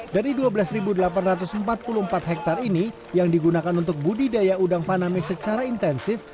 dari dua belas delapan ratus empat puluh empat hektare ini yang digunakan untuk budidaya udang faname secara intensif